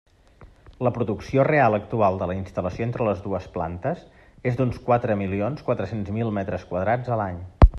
La producció real actual de la instal·lació entre les dues plantes és d'uns quatre milions quatre-cents mil metres quadrats a l'any.